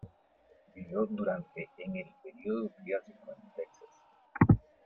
Vivió durante en el período Triásico en Texas.